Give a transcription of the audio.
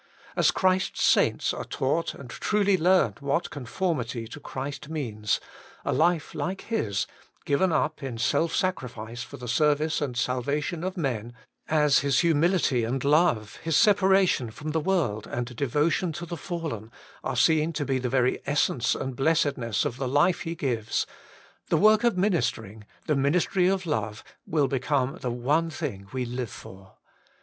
As Christ's saints are taught and truly learn what conformity to Christ means, a life like his, given up in self sacrifice for the service and salvation of men, as His humility and love, His separa tion from the world and devotion to the fallen, are seen to be the very essence and blessedness of the hfe He gives, the work of ministering, the ministry of love, will become the one thing we live for.